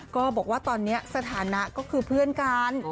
ก็บอกว่าตอนนี้สถานะก็คือเพื่อนกัน